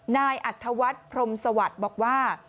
นายอัธวัฒน์พรมสวัสดิ์บอกว่า